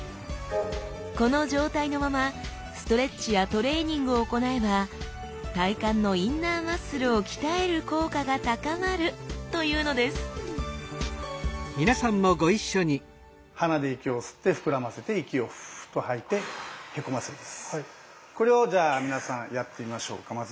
この状態のままストレッチやトレーニングを行えば体幹のインナーマッスルを鍛える効果が高まるというのですこれをじゃあ皆さんやってみましょうかまず。